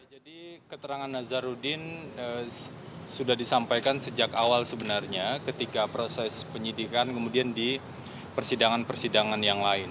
jadi keterangan nazarudin sudah disampaikan sejak awal sebenarnya ketika proses penyidikan kemudian di persidangan persidangan yang lain